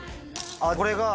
あっこれが絵？